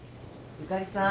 ・ゆかりさん。